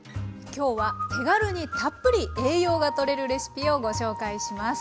今日は手軽にたっぷり栄養がとれるレシピをご紹介します。